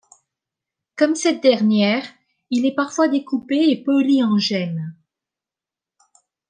Comme cette dernière, il est parfois découpé et poli en gemme.